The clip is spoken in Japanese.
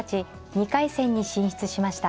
２回戦に進出しました。